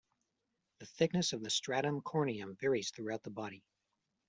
The thickness of the "stratum corneum" varies throughout the body.